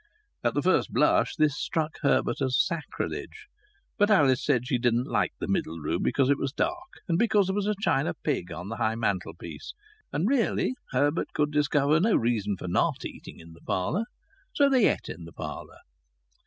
At the first blush this struck Herbert as sacrilege; but Alice said she didn't like the middle room, because it was dark and because there was a china pig on the high mantelpiece; and really Herbert could discover no reason for not eating in the parlour. So they ate in the parlour.